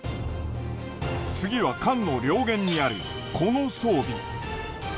次は艦の両舷にあるこの装備。